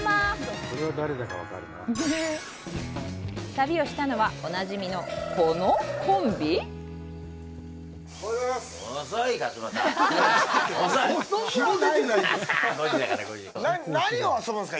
旅をしたのはおなじみのこのコンビおはようございます何を遊ぶんすか？